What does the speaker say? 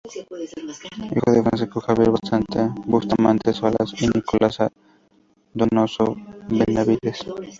Hijo de Francisco Javier Bustamante Salas y Nicolasa Donoso Benavides.